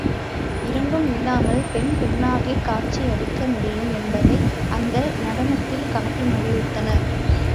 இரண்டும் இல்லாமல் பெண் பெண்ணாகக் காட்சி அளிக்க முடியும் என்பதை அந்த நடனத்தில் காட்டி மகிழ்வித்தனர்.